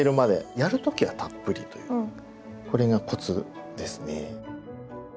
やる時はたっぷりというこれがコツですね。